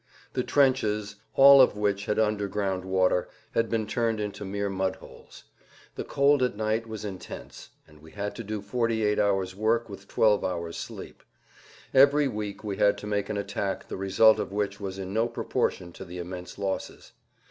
The trenches, all of which had underground water, had been turned into mere mud holes. The cold at night was intense, and we had to do 48 hours' work with 12 hours' sleep. Every week we had to make an attack the result of which was in no proportion to the immense losses.